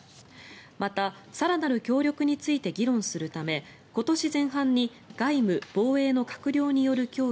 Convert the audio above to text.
また、更なる協力について議論するため今年前半に外務・防衛の閣僚による協議